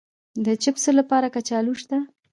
د چپسو لپاره کچالو شته؟